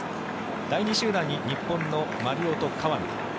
第２集団に日本の丸尾と川野。